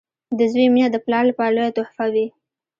• د زوی مینه د پلار لپاره لویه تحفه وي.